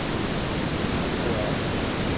Ṭṭef wa!